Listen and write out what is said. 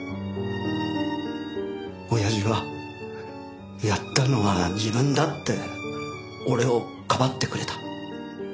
親父はやったのは自分だって俺をかばってくれた。